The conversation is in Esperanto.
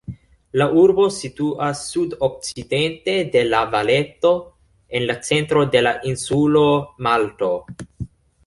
La urbo situas sudokcidente de La-Valeto, en la centro de la insulo Malto.